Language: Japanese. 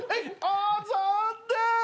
あ残念！